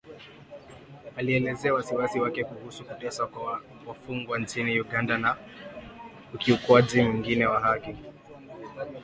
alielezea wasiwasi wake kuhusu kuteswa kwa wafungwa nchini Uganda na ukiukwaji mwingine wa haki